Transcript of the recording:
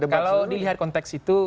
kalau dilihat konteks itu